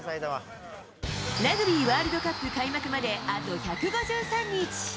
ラグビーワールドカップ開幕まであと１５３日。